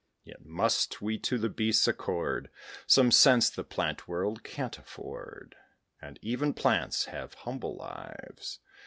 Yet must we to the beasts accord Some sense the plant world can't afford; And even plants have humble lives.